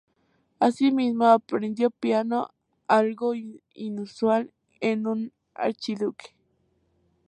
Así mismo aprendió piano, algo inusual en un archiduque.